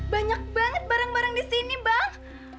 banyak banget barang barang di sini bang